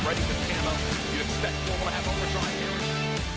รับล่ะ